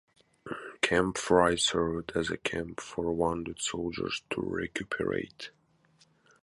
Camp Fry served as a camp for wounded soldiers to recuperate.